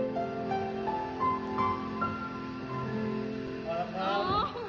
ขอบคุณครับ